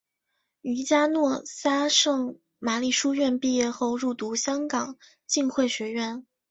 于嘉诺撒圣玛利书院毕业后入读香港浸会学院。